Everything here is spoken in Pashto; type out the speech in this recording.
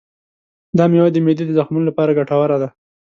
دا مېوه د معدې د زخمونو لپاره ګټوره ده.